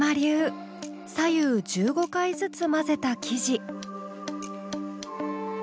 左右１５回ずつ混ぜた生地。